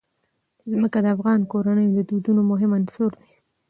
ځمکه د افغان کورنیو د دودونو مهم عنصر دی.